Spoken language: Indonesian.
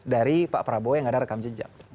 dari pak prabowo yang ada rekam jejak